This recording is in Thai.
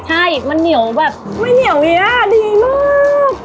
ใช่มันเหนียวแบบไม่เหนียวเนี่ยดีมาก